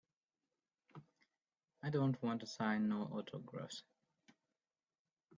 I don't wanta sign no autographs.